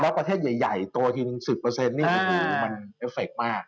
แล้วประเทศใหญ่โตทีนึง๑๐นี่คือมันเอฟเฟคมาก